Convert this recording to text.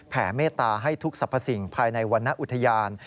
เมตตาให้ทุกสรรพสิ่งภายในวรรณอุทยาน